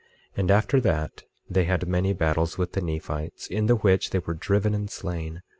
25:3 And after that, they had many battles with the Nephites, in the which they were driven and slain.